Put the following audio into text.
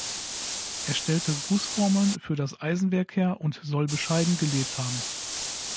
Er stellte Gussformen für das Eisenwerk her und soll bescheiden gelebt haben.